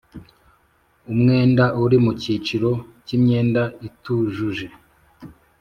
Umwenda uri mu cyiciro cy imyenda itujuje